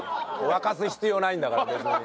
沸かす必要ないんだから別に。